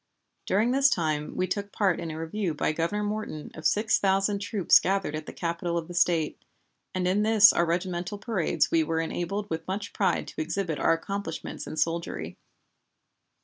During this time we took part in a review by Governor Morton of six thousand troops gathered at the Capital of the State, and in this and our regimental parades we were enabled with much pride to exhibit our accomplishments in soldiery.